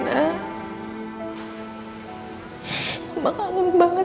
mama kangen banget